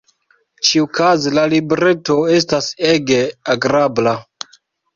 Ĉiukaze, la libreto estas ege agrabla.